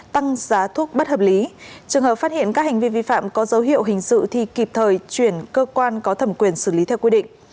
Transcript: tăng giá thuốc bất hợp lý trường hợp phát hiện các hành vi vi phạm có dấu hiệu hình sự thì kịp thời chuyển cơ quan có thẩm quyền xử lý theo quy định